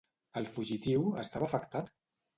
El fugitiu estava afectat?